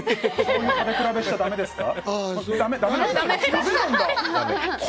食べ比べてみちゃだめですか？